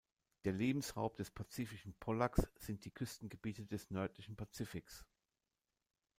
Der Lebensraum des Pazifischen Pollacks sind die Küstengebiete des nördlichen Pazifiks.